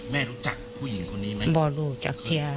ไม่รู้ทุกอย่าง